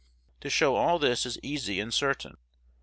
To show all this is easy and certain.